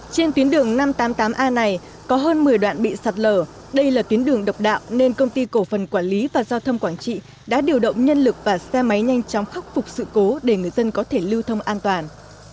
trên tuyến đường năm trăm tám mươi tám a này có hơn một mươi đoạn bị sạt lở đây là tuyến đường độc đạo nên công ty cổ phần quản lý và giao thông quảng trị đã điều động nhân lực và xe máy nhanh chóng khắc phục sự cố để người dân có thể lưu thông an toàn